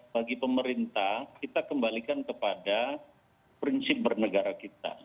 bagi pemerintah kita kembalikan kepada prinsip bernegara kita